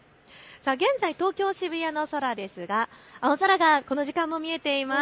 現在、東京渋谷の空ですが青空がこの時間も見えています。